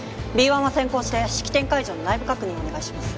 Ｂ１は先行して式典会場の内部確認をお願いします。